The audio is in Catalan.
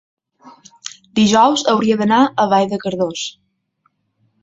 dijous hauria d'anar a Vall de Cardós.